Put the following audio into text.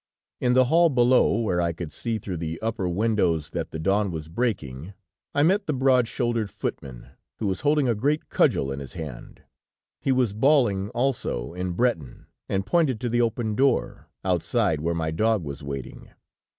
"In the hall below, where I could see through the upper windows that the dawn was breaking, I met the broad shouldered footman, who was holding a great cudgel in his hand. He was bawling also, in Breton, and pointed to the open door, outside where my dog was waiting.